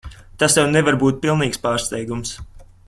Tas tev nevar būt pilnīgs pārsteigums.